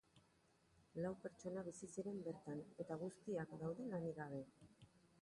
Lau pertsona bizi ziren bertan, eta guztiak daude lanik gabe.